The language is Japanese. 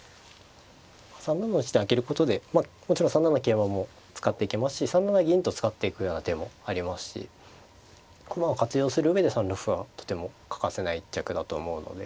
３七の地点空けることでまあもちろん３七桂馬も使っていけますし３七銀と使っていくような手もありますし駒を活用する上で３六歩はとても欠かせない一着だと思うので。